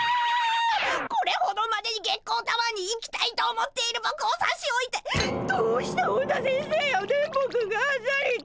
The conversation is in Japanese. これほどまでに月光タワーに行きたいと思っているぼくをさしおいてどうして本田先生や電ボくんがあっさりと。